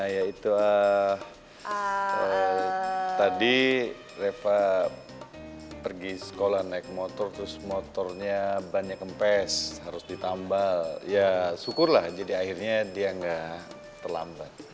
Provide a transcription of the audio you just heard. ya itu tadi reva pergi sekolah naik motor terus motornya banyak kempes harus ditambal ya syukurlah jadi akhirnya dia nggak terlambat